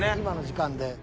今の時間で。